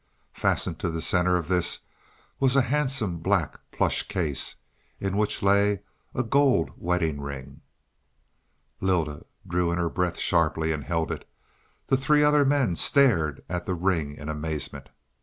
Fastened to the center of this was a handsome black plush case, in which lay a gold wedding ring. Lylda drew in her breath sharply and held it; the three other men stared at the ring in amazement.